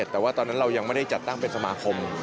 แต่ว่าตอนนั้นเรายังไม่ได้จัดตั้งเป็นสมาคม